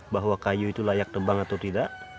bahwa kayu itu layak tebang atau tidak